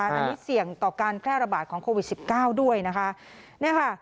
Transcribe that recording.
ไม่มีเสี่ยงต่อการแคะระบาดของโควิตสิบเก้าด้วยนะคะ